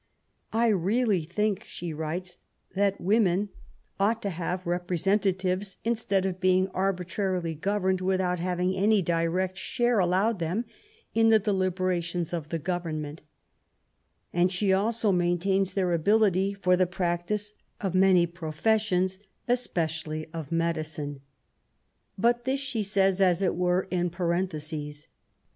^^ I really think/' she writes, '' that women ought to have repre THE EIGHTS OF WOMEN. 91 sentatives instead of being arbitrarily governed without having any direct share allowed them in. the delibera tions of Government/' And she also maintains their ability for the practice of many professions^ especially of medicine. But this she says, as it were, in paren thesis.